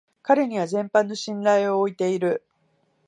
彼には全幅の信頼を置いている